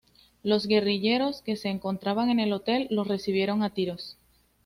Los guerrilleros que se encontraban en el hotel los recibieron a tiros.